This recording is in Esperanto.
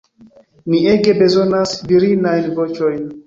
Ni ege bezonas virinajn voĉojn.